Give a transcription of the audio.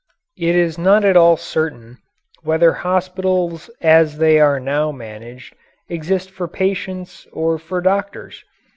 It is not at all certain whether hospitals as they are now managed exist for patients or for doctors.